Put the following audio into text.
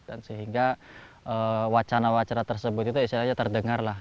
dan sehingga wacana wacana tersebut itu istilahnya terdengar lah